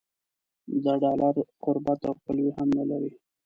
د ډالر قربت او خپلوي هم نه لري.